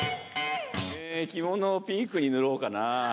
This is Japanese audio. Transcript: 着物をピンクに塗ろうかな。